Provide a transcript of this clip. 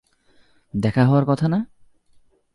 দেখা হওয়ার কথা না?